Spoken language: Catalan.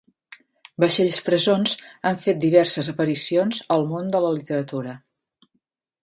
Vaixells presons han fet diverses aparicions al món de la literatura.